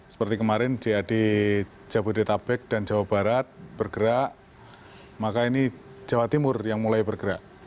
seperti kemarin jad jabodetabek dan jawa barat bergerak maka ini jawa timur yang mulai bergerak